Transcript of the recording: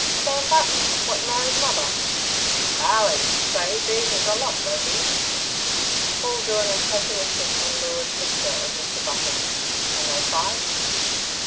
"Sam Button, what married mother." "Ali! so he boozes a lot, does he?" Paul drew an impressionistic and lurid picture of Mr. Button. "And they fight?"